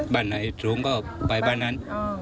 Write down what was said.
บ้านไหนสูงก็ไปบ้านนั้น